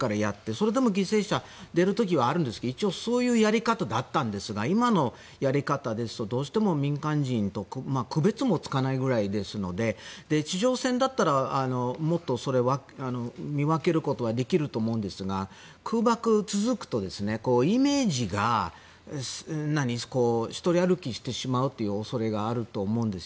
それでも犠牲者が出る時はあるんですが一応、そういうやり方だったんですが今のやり方ですとどうしても民間人と区別もつかないくらいですので地上戦だったらもっとそれは見分けることができると思うんですが、空爆が続くとイメージが独り歩きしてしまうという恐れがあると思うんです。